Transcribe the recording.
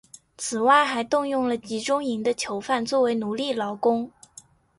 此外还动用了集中营的囚犯作为奴隶劳工。